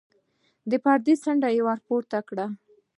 د پردې څنډه يې پورته کړه.